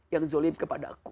yang zolim kepada aku